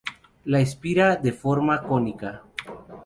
La espira de forma cónica.